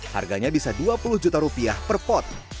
harganya bisa dua puluh juta rupiah per pot